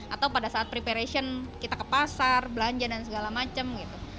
atau pada saat preparation kita ke pasar belanja dan segala macam gitu